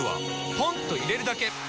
ポンと入れるだけ！